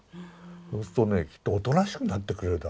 そうするとねきっとおとなしくなってくれるだろうと。